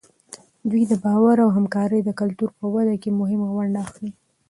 دوی د باور او همکارۍ د کلتور په وده کې مهمه ونډه اخلي.